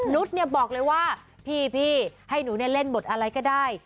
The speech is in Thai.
นุษย์เนี่ยบอกเลยว่าพี่ให้หนูเนี่ยเล่นบทอะไรก็ได้